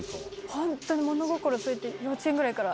ホントに物心ついて幼稚園ぐらいから。